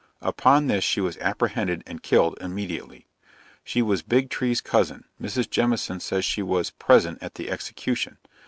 Upon this she was apprehended and killed immediately. She was Big tree's cousin, Mrs. Jemison says she was present at the execution.